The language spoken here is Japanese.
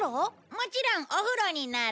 もちろんお風呂になる。